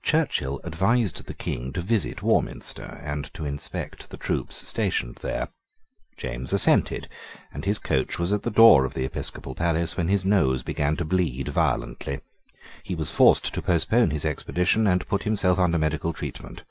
Churchill advised the King to visit Warminster, and to inspect the troops stationed there. James assented; and his coach was at the door of the episcopal palace when his nose began to bleed violently. He was forced to postpone his expedition and to put himself under medical treatment.